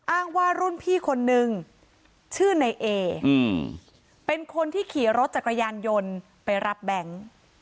อ้างว่ารุ่นพี่คนนึงชื่อในเอเป็นคนที่ขี่รถจักรยานยนต์ไปรับแบงค์